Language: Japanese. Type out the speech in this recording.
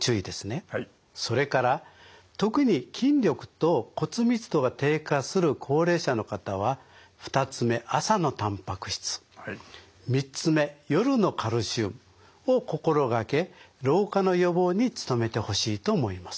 それから特に筋力と骨密度が低下する高齢者の方は２つ目朝のたんぱく質３つ目夜のカルシウムを心掛け老化の予防に努めてほしいと思います。